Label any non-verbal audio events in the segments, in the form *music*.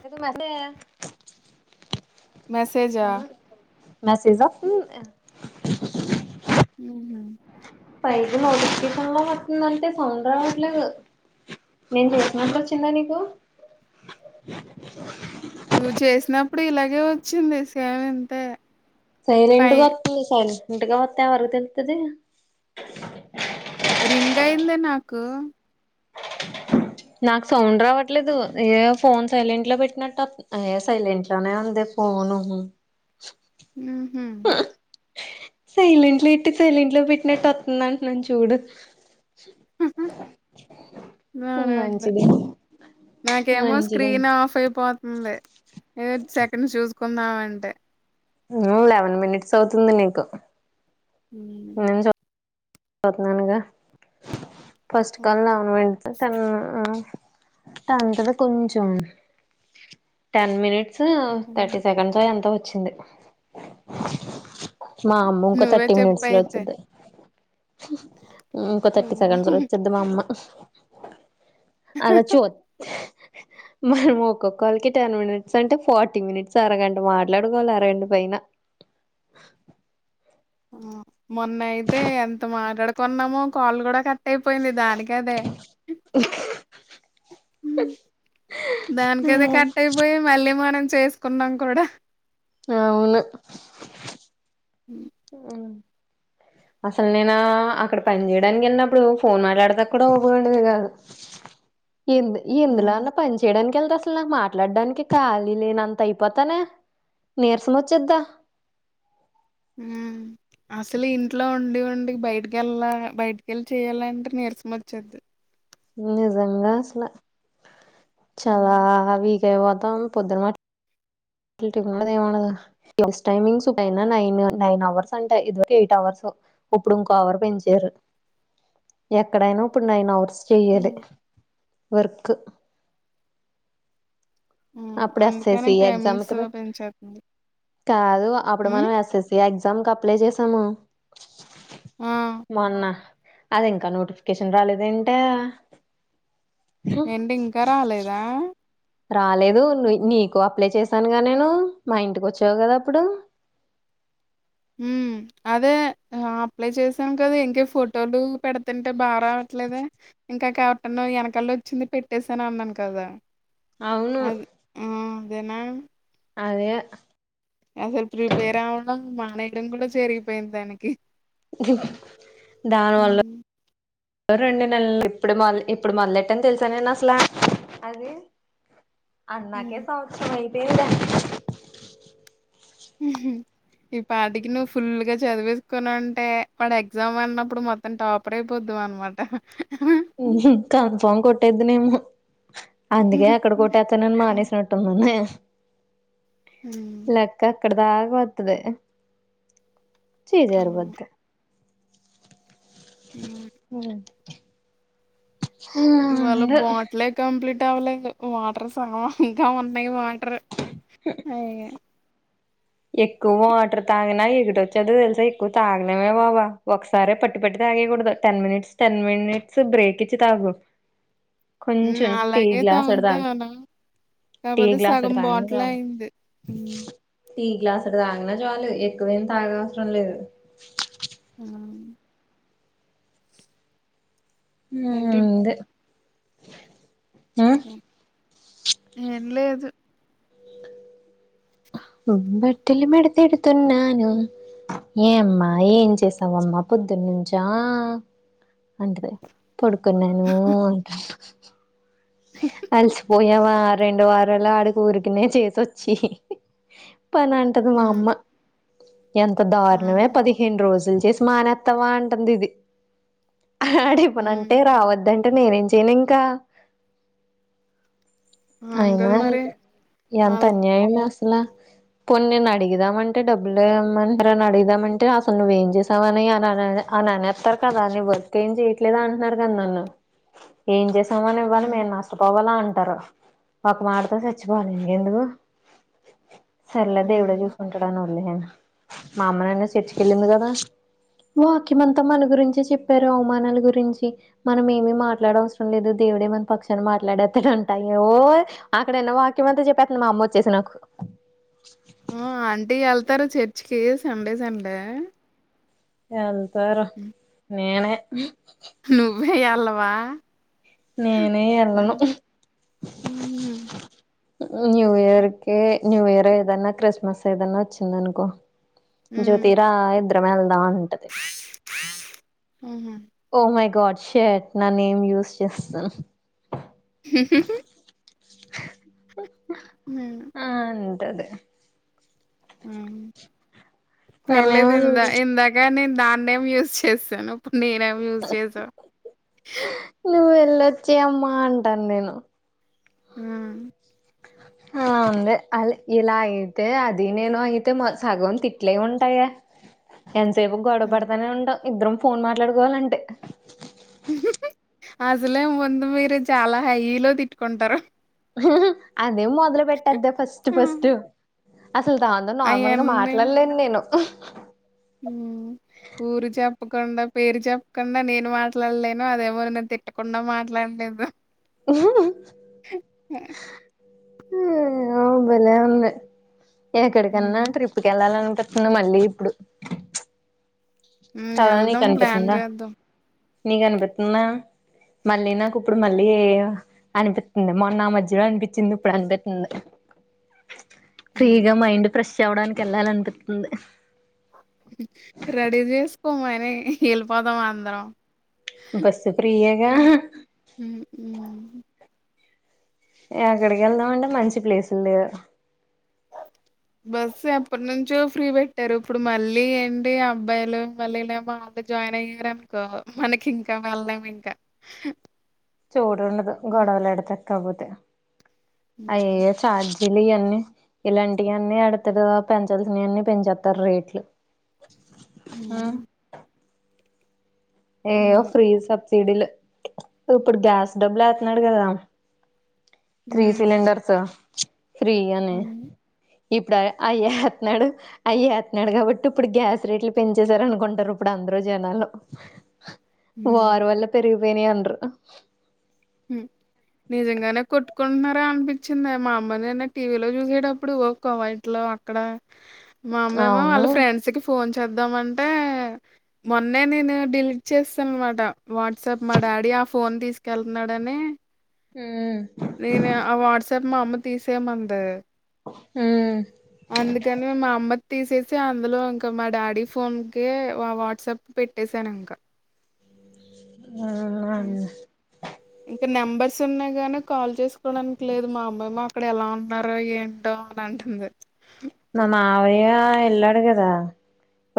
లేదు మండే మెసేజా మెసేజ్ ఉ నువున్న పైకి నోటిఫికేషన్ లో వతుందంటే సౌండ్ రావట్లేదు నేను చేస్తునప్పుడు వచ్చిందా నీకు నువ్వు చేసినప్పుడు ఇలాగే వచ్చింది సెవెంత్ సైలెంట్ గా వతుంది సైలెంట్ గా వతే ఎవరికి తెలుతుంది రింగ్ అయింది నాకు నాకు సౌండ్ రావట్లేదు ఏ ఫోన్ సైలెంట్ లో పెట్టినట్టటు వతు ఏ సైలెంట్ లోనే ఉంది ఫోను ఉహు సైలెంట్ లో ఎట్టి సైలెంట్ లో పెట్టినట్టు వస్తుందంటున్నాను చూడు *inaudible* నాన అంతే మంచిది నాకే ఏమో మంచిది స్క్రీన్ ఆఫ్ అయిపో ఉంది ఏ సెకండ్ చూసుకుందామంటే ఉ లెవెన్ మినిట్స్ అవుతుంది నీకు ఉ పోతున్నానుగా ఫస్ట్ ఆ కాల్ నౌవును *unintelligible* టంతగా కొంచెం టెన్ మినిట్స్ థర్టీ అవును. సెకండ్స్ ఎంతో వచ్చింది మా అమ్మ ఇంకో నువ్వే థర్టీ మినిట్స్ లో చెప్పయితే వచ్చుది ఇంకో ఆ థర్టీ సెకండ్స్ లో వచ్చెద్ది మా అమ్మ అలా చూత్ *inaudible* మనం ఒక్కొక్కళ్ళకి టెన్ మినిట్స్ అంటే ఫార్టీ మినిట్స్ అరగంట మాట్లాడుకోవాలి అర గంట పైన మొన్న అయితే ఎంత మాట్లాడుకున్నామో కాల్ కూడా కట్ట కట్ అయిపోయింది దానికి అదే దానికఅదే కట్ అయిపోయి మళ్ళీ మనం చేసుకున్నాం కూడా అవును ఉ అ అసలు నేనా అక్కడ పని చేయడానికి వెళ్ళినప్పుడు ఫోన్ మాట్లాడతా కూడా ఊకుండేది కాదు *inaudible* ఏంది ఎందులో ఉ పని చేయడానికి అసలు నాకు మాట్లాడడానికి ఖాలీ లేనంత అయిపోతానే నీరసం వచ్చెద్దా హ్మ్ అసలు ఇంట్లో ఉండి ఉండి బయటకెళ్ళా బయటకెళ్ళి చేయాల అంటే నీరసం వచ్చెద్ది నిజంగా అసలే చాలా వీక్ అయిపోతాం పొద్దున మాట ఉండదు ఏముండదు టైమింగ్స్ అయినా నైన్ నైన్ అవర్స్ అంటా ఇదివరకు ఎయిట్ అవర్స్ ఇప్పుడు ఇంకో ఆవరు పెంచారు ఎక్కడైనా ఇప్పుడు నైన్ అవర్స్ చెయ్యాలి వర్క్ హ్మ్ అప్పుడే అందుకని అప్చేసి ఎగ్జామ్ టైమింగ్స్ ఇకర పెంచేతుంది కాదు అప్పుడు హ్మ్ మనం ఎస్ ఎస్ సి ఎగ్జ తమ్ కి అప్లై చేసాము. ఆ మొన్న అదింకా నోటిఫికేషన్ రాలేదెంటే? ఏంటి ఇంకా రాలేదా? రాలేదు. నీ నీకు అప్లై చేశానుగా నేను, మా ఇంటికొచ్చావు కదా అప్పుడు, మ్. అదే అప్లై చేసాను కద, ఇంకే ఫోటోలు పెడతంటే బా రావట్లే. లేదే ఇంకా క్యాప్టను వెనకాలదొచ్చింది పెట్టేసానన్నాను కదా! అవును అది ఆ అదేనా అదే మేడం కూడ జరిగిపోయింది దానికి. దాని వల్ల హ్మ్ రండి నల్ ఇప్పుడు మ ఇప్పుడు మొదలెట్టాను తెలుసా నేను అసలు, అది. హ్మ్ అన్నాకే సంవత్సరం అయిపోయింది. మ్హు ఈ పాటికి నువ్ ఫుల్ గా చదివేసుకోనుంటే, వాడు ఎగ్జామ్ అన్నప్పుడు మొత్తం టాపర్ అయిపోదువు అనమాట. కన్ఫర్మ్ కొట్టేద్దునేమో, అందుకే ఎక్కడ కొట్టేత్తానని మానేసినట్టున్న నే హ్మ్. లెక్క అక్కడ దాగ వత్తది. చే అవును. జారిపొద్ది. హ్మ్. మ్మ్ ఇవాళ అందు బాట్లే కంప్లీట్ ట్ అవ్వలేదు వాటర్ సగ, ఇంకా ఉన్నాయి వాటర్. అయ్య ఎక్కువ వాటర్ తాగిన ఎగటోచ్చేద్ది తెలుసా! ఎక్కువ తాగలేమేమో బా, ఒకసారే పట్టి పట్టి తా తాగేకూడదు. Ten minutes, ten minutes break ఇచ్చి తాగు. మ్ కొంచెం టీ అలాగే గ్లాసుడు తాగు తాగుతాను. టీ కాపోతే గ్లాసుడు సగం తాగిన బాటల్ చాలు అయింది. మ్ టీ గ్లాసుడు తాగిన చాలు. ఎక్కువేం తాగనవసరం లేదు. ఆ ఊ ఏంటి? ఉంది. మీ ఏం లేదు. హుమ్ బట్టలు మడతేడుతున్నాను. ఏమ్మా ఏం చేసావమ్మా పొద్దున్ నుంచా అంటది. పడుకున్నాను అంట. అలిసిపోయావా రెండు వారలా ఆడికి ఊరికెనే చేసొచ్చి. పనంటది మా హ్మ్. అమ్మ. ఎంత ఆ! దారుణమే, పదిహేను రోజుల చేసి మానేత్తావా అంటుందిది. ఆడిపునంటే హ్మ్. రావద్దన్ టె నేనేం చేయనింకా అవును అయినా కదా మరి! ఎంత అవును. అన్యాయమే అసలా పోని నేను అడిగిదామంటే డబ్బులేవన్నని సరే అని అడిగిదామంటే, అసలు నువ్వేం చేసావని అననని అననేత్తారు కదా, నీ వర్క్ ఏం చెయట్లేదు అంటున్నారు కదా నన్ను ఏం చేసామ హ్మ్. మేము నష్టపోవాల అంటారు. ఒక మాటతో చచ్చిపోవాలి. ఇంకెందుకు? సర్లే దేవుడే హ్మ్. చూసుకుంటాడని వదిలేశాను. మా అమ్మ నాన్న చర్చికెళ్ళింది కదా! వాక్యమంతా మన గురించే చెప్పారు. అవమానాల గురించి మనం ఏమి మాట్లాడ అవసరం లేదు, దేవుడేమన పక్షాన మాట్లాడేతడంట. ఎవో అక్కడున్న వాక్యం అంతా చెప్పేత్తాంది. మా అమ్మోచ్చేసి నాకు. మ్ ఆంటీ వెళ్తారు చర్చ్ కి? Sunday Sunday. ఎల్తారు. హ్మ్. నేనే నువ్వే ఎల్లవా? నేను ఎళ్ళను హుహు. న్యూ ఇయర్ కి న్యూ ఇయర్ ఏదన్నా క్రిస్మస్ ఏదన్నా ఒచ్చిందనుకో హ్మ్. జ్యోతి రా ఇద్దరం ఎల్ దా అంటది హుహు. ఓ మై గాడ్ షర్ట్ నా నేమ్ యూస్ చేస్తును హు హు హు నేనా టది హు పర్లేదు నేనేమో నువ్వు ఇందా ఇందాక నేను నా న్నేమ్ యూజ్ చేసాను ఇప్పుడు నేనేమ్ యూజ్ చేసా ఎళ్ళొచ్చేయ్ అమ్మా అంటాన్ నేను ఊ అందే అల్ ఇలా అయితే అది నేను అయితే మా సగం తిట్లే ఉంటాయే ఎన్సేపు గొడవ పడతానే ఉంటం ఇద్దరం ఫోన్ మాట్లాడుకోవాలంటే అసలే ముందు మీరు చాలా హై లో తిట్టుకుంటరు హు హు అదే మొదలు పెట్టేద్దే ఫస్ట్ ఫస్ట్ అసల్ దాంతో నార్మల్గా మాట్లాడ్లేన్ నేను ఊ ఊరు చెప్పకుండా, పేరు చెప్పకుండా, నేను మాట్లాల్లేను, అదే ఎవరినో తిట్టకుండా మాట్లా. డం లేదు ఉహుహు హూమ్ భలే ఉంది ఎక్కడికన్నా హ్మ్. ట్రిప్ కి ఎళ్ళాలన్ టక్కున మళ్ళీ ఇప్పుడు హ్మ్ కద నీకు ఎళ్దాం ప్లాన్ అనిపితుందా చేద్దాం. నీకు అనిపిత్తుందా మళ్ళీ నాకు ఇప్పుడు మళ్ళీ అనిపితుంది, మొన్న ఆ మధ్యలో అనిపిచ్చింది ఇప్పుడు అనిపితుంది. హ్మ్ ఫ్రీగా మైండ్ ఫ్రెష్ అవడానికి ఎళ్లాలి అనిపితుంది రడీ చేసుకో మనీ ఎళ్ళిపోదాం అందరం బస్సు ఫ్రీయే గా హ్మ్ హ్మ్ ఎక్కడికి ఎళ్దామంటే మంచి ప్లేసుల లేవ్ బస్సు ఎప్పట్నుంచో ఫ్రీ పెట్టారు, ఇప్పుడు మళ్ళీ ఏంటి అబ్బాయిలు మళ్ళీనేమో ఆఫి. జాయిన్ అయ్యారునుకో మనకి ఇంకా నళ్లం ఇంక చోటు ఉండదు గొడవలు ఏడుతె కాపోతె హ్మ్ అయే చార్ ఈల్లు యన్నీ ఇలాంటివి అన్ని ఎడతడూ పెంచాల్సినయి అన్ని పెంచేత్తారు రేట్లు అ హ్మ్ ఏ హ్మ్ ఫ్రీ సబ్స్ సిడిలు ఇప్పుడు గ్యాస్ డబ్బులు ఏతున్నాడు గదా త్రీ హ్మ్ సిలెండర్స్ ఫ్రీ అని హ్మ్ ఇప్పుడు అయ్ అయేతున్నాడు అయ్ ఏతున్నాడు కాబట్టి ఇప్పుడు గ్యాస్ రేట్లు పెంచేశారు అనుకుంటారు ఇప్పుడు అన్ దరు జనాలు వారు వల్ల పెరిగిపోయినయ్ అనరు ఉ నిజంగానే కొట్టుకున్నారా అనిపిచ్చింది మా అమ్మ నినా టీవీలో చూసేటప్పుడు ఒక్క వైట్లో వక్కడ మా అమ్మేమో అవును వాళ్ళ ఫ్రెండ్స్ కి ఫోన్ చ్ చేద్దామంటే మొన్నే నేను డిలీట్ చేసేసాను అనమాట వాట్సాప్ మా డాడీ నా ఫోన్ తీసుకెళ్తున్నాడని ఊ నేనే ఆ వాట్సాప్ మా అమ్మ తీసేయమంది ఊమ్ అందుకని మా అమ్మది తీసేసి అందులో ఇంక మా డాడీ ఫోన్ కీ వా వాట్సాప్ పెట్టసాను ఇంకా ఉ అవునండి ఇంకా నెంబర్స్ ఉన్నాయి గాని కాల్ చేసుకోవడానికి లేదు మా అమ్మ ఏమో అక్కడ ఎలా ఉన్నారో ఏంటో అని అంటుంది మా మావయ్య వెళ్లాడు కదా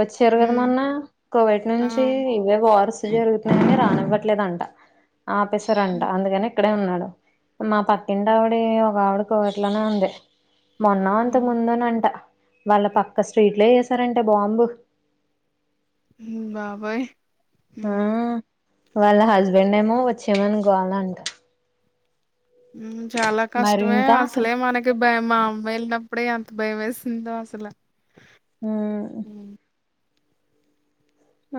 వచ్చారు కదా హ్మ్. మొన్న కోవిడ్ ఆ నుంచి ఇవే వార్స్ జరుగుతుంది రానివ్వట్లేదంట ఆపేశారంట హ్మ్ అందుకని ఇక్కడే ఉన్నాడు మా పక్కింటి ఆవిడి ఒక ఆవిడి కోవిడ్లోనే ఉంది మొన్న హ్మ్ అంతకుముందని ట వాళ్ళ పక్క స్ట్రీట్లే ఏసారంట బాంబు ఉమ్ బాబోయ్ ఉ హ్మ్. వాళ్ళ హస్బెండ్ ఏమో వచ్చేయ్ మని గోలంట ఉ చాలా మరి కష్టమే ఇంకా అక్కడ అసలే మనకి భయం మా అమ్మయిలుకి అప్పుడే అంత భయం వేసిందో అసలు ఉ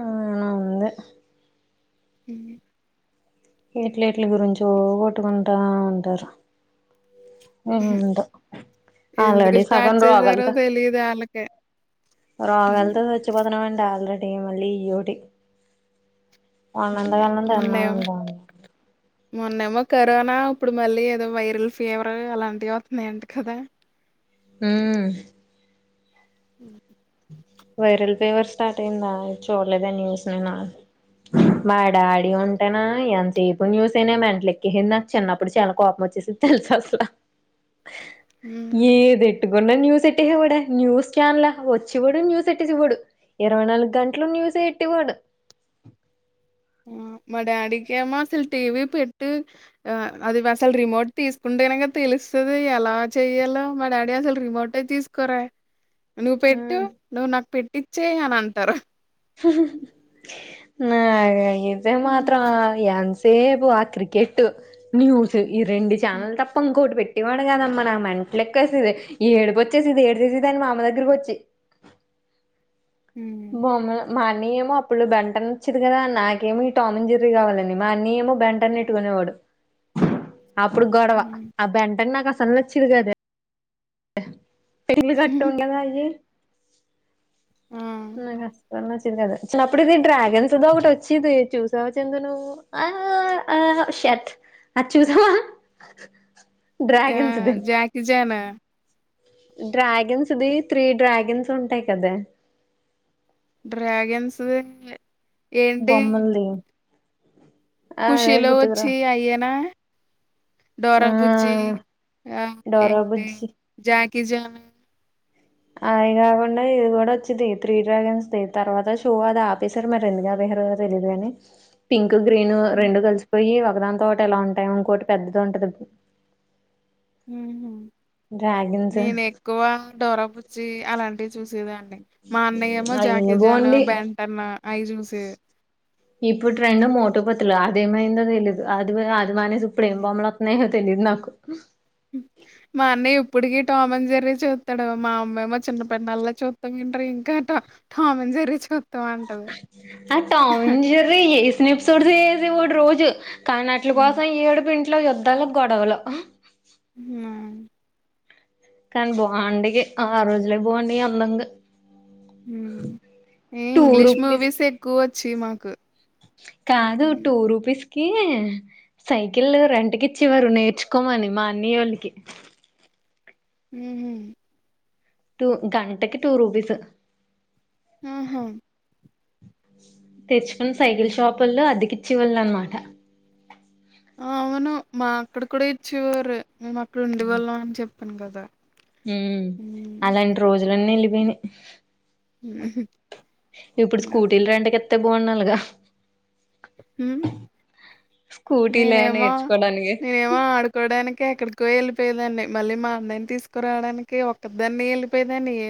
ఊ ఉంది ఉహు ఎట్లట్ల గురించో కొట్టుకుంటా ఉంటారు ఉంటా ఎందుకు స్టార్ట్ చేసారో తెలిదు వాళ్ళకే రోగాలతో చచ్చిపోతున్నామండి ఆల్రెడీ మళ్ళీ ఈయోటి ఉ ఉన్నంతకాలం మొన్నేమీ తిన్నామండి మొన్నేమో కరోనా ఇప్పుడు మళ్ళీ ఏదో వైరల్ ఫీవర్ అలాంటివి వత్తున్నాయంట కదా ఉ ఉ వైరల్ ఫీపర్ స్టార్ట్ అయిందా చూడలేదా న్యూస్ నిన్న మా డాడీ ఉంటేనా ఎంతసేపు న్యూసేనే మెంట్లు ఎక్కేసింది నాకు చిన్నప్పుడు చాలా కోపం వచ్చేసి చుత్తల్ అసలు హ్మ్. ఏది ఎట్టుకున్న న్యూస్ ఎట్టిహే ఒడే న్యూస్ ఛాన్లా ఒచ్చి గుడు న్యూస్ తెట్టేసి ఓడు ఇరవై నాలుగు గంట్లు న్యూసే ఎట్టివోడు మా డ్యాడీ కేమో అసలు టీవీ పెట్టు ఆ అది వసల్ రిమోట్ తీసుకుంటేనేగా యా పిలుస్తది యలా చెయ్యల్లో మా డ్యాడీ అసలు రిమోటే తీస్కొరె నువ్వు పెట్టు ఉమ్ నువ్వు నాక్ పెట్టిచ్చే అని అంటరు నాక్ అయితే మాత్రము హ్మ్ యన్స్ తేపు ఆ క్రికెట్ న్యూస్ ఈ రెండి ఛానల్ తప్ప ఇంకోటి పెట్టేవాడు కాదమ్మ నాకు మెన్ లెక్కేసెది ఏడుపు ఒచ్చేసిది ఏడ్సెసెదాని మా అమ్మ దగ్గరికి ఒచ్చి హ్మ్ బొమ్మలు మార్ అన్నయ్ ఏమో అప్పులు బెంటన్ ఒచ్చేది గదా నాకేమో ఈ టామ్ అన్ జెరీ గావాలండి మా అన్నయ్ ఏమో బెంటన్ ఎట్టుకునే ఓడు అప్పుడు గొడవ హ్మ్. ఆ బెంటన్ నాకు అసలు నచ్చెది గాదు అహ్ తెలుగు అట్ట హ్మ్. ఉండ్లెదా అది ఆ నాకు అస్సల్ నచ్చెది కాదు చిన్నప్పుడు ఇది డ్రాగన్స్దో ఒగొటి ఒచ్చిది చూసావా చందు నువ్వు ఆ ఆ ఆ షట్ అద్ చూసావా యా డ్రాగన్స్ జాకిజానా డ్ర్యగెన్స్ ది త్రీ డ్ర్యగెన్స్ ఉంటాయ్ కదా డ్ర్యగెన్స్ దే బొమ్మల్ ది ఖుషీలో వచ్చెయ్ అయ్యేనా ఆ డోరా బుజ్జి ఆ డోరా ఏంటి బుజ్జి జాకిీ జాన్ అవి కాకుండా ఇది కూడా వచ్చేది త్రీ డ్రాగన్స్ ది తర్వాత షో అది ఆపేశారు మరి ఎందుక ఆపేసా రో తెలిదు గాని పింక్ గ్రీను రెండు కలిసిపోయి ఒకదాని తోటి ఎలా ఉంటాయి ఇంకోటి పెద్దది ఉంటది ఉమ్ డ్రాగన్స్ నేను ఎక్కువ డోరా బుజ్జి అలాంటి చూసేదాన్నీ మా అన్నయ్యమో అయ్యో జాకి జాన్ బోండి బెంటెన్ అయి చూసేది ఇప్పుడు ట్రెండు మోటుపతులు అదేమైందో తెలీదు అది అది మానేసి ఇప్పుడు ఏం హ్మ్ బొమ్మలు వత్తున్నాయి తెలీదు నాకు మా అన్నయ ఇప్పుడుకి టామన్ జర్రీ చూస్తాడ మా అమ్మేమో మా చిన్న పిన్నళ్ళ చూద్దాం తంటారు ఇంకా ట జెర్రీస్ కో ఆ టామ్ అండ్ జెర్రీ వేసిన ఎపిసోడ్స్ వేసే వోడు ఒక రోజు కానీ అట్లు హ్మ్. కోసం ఏడుపింట్లో యుద్ధాల గొడవలు హ్మ్ కానీ బాగుండి ఆ రోజులే బాగున్నాయి అందంగా ఉమ్ ఏ టూ ఇంగ్లీష్ రూపీస్ మూవీస్ కి ఎక్కువ వచ్చేయ్ మాకు కాదు హ్మ్. టూ రూపీస్ కి సైకిల్ రెంటకి ఇచ్చేవారు నేర్చుకోమని మా అన్నయోళ్ళకి హ్మ్ టూ గంటకి టూ రూపీస్ హ్మ్ హు తెచ్చుకుని సైకిల్ షాపుల్లో అద్దకిచ్చివాళ్ళు అనమాట అవును మా అక్క కూడ ఇచ్చేవారు మేము మా ఫ్రెండు అని చెప్పను కదా ఉమ్ హ్మ్. అలాంటి రోజులన్నీ వెళ్ళిపోయినాయి ఉహూ ఇప్పుడు స్కూటీలు రెంట్ కి ఇత్త బావున్ను అలాగా ఊమ్ స్కూటీలే నేనేమో నేర్చుకోవడానికి నేనేమో ఆడుకోవడానికి ఎక్కడికో వెళ్ళిపోయే దాన్నిమళ్ళీ మా అన్నయని తీసుకురావడానికి ఒక్క దాన్ని వెళ్ళి పోయేదాన్ని